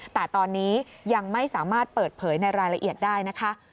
แต่ตอนนี้ยังไม่สามารถเปิดเผยในรายละเอียดได้นะคะ